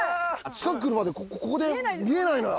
近く来るまでここで見えないのよ